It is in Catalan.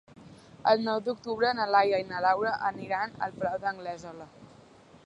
El nou d'octubre na Laia i na Laura aniran al Palau d'Anglesola.